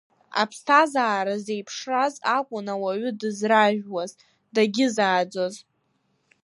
Аԥсҭазаара зеиԥшраз акәын ауаҩы дызражәуаз дагьызааӡоз.